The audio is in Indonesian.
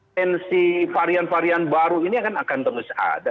tensi varian varian baru ini akan terus ada